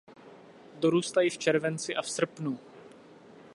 Dorůstají v červenci a v srpnu.